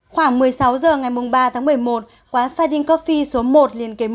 khoảng một mươi sáu h ngày ba tháng một mươi một quán fighting coffee số một liên kế một